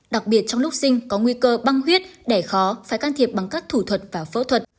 đặc biệt trong lúc sinh có nguy cơ băng huyết đẻ khó phải can thiệp bằng các thủ thuật và phẫu thuật